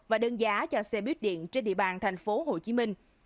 và đơn giá cho xe bít điện trên địa bàn tp hcm